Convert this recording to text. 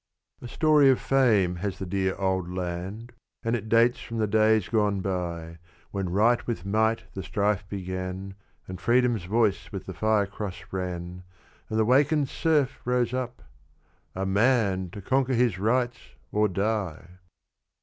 A story of fame has the "Dear Old Land," And it dates from the days gone by; When Right with Might the strife began, And Freedom's voice with the Fire cross ran, And the wakened Serf rose up, a MAN, To conquer his rights, or DIE!